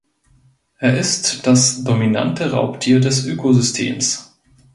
Er ist das dominante Raubtier des Ökosystems.